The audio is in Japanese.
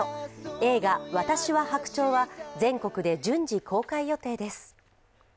映画「私は白鳥」は全国で順次公開予定です。